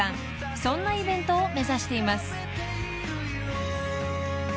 ［そんなイベントを目指しています］